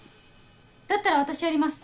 だったら私やります。